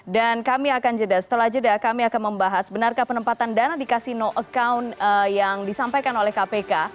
dan kami akan jeda setelah jeda kami akan membahas benarkah penempatan dana di casino account yang disampaikan oleh kpk